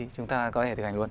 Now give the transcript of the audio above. chúng ta có thể thực hành luôn